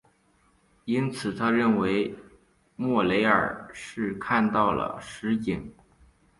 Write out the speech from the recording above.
因此他认为莫雷尔是看到了蜃景。